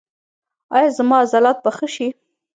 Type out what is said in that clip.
ایا زما عضلات به ښه شي؟